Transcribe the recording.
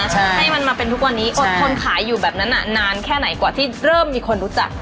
ใช่ให้มันมาเป็นทุกวันนี้อดทนขายอยู่แบบนั้นนานแค่ไหนกว่าที่เริ่มมีคนรู้จัก